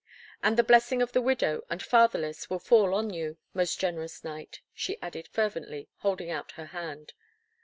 And the blessing of the widow and fatherless will fall on you, most generous knight," she added, fervently, holding out her hand.